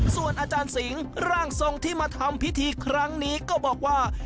ส่วนอาจารย์สิงห์ร่างทรงที่มาทำพิธีครั้งนี้ก็บอกว่า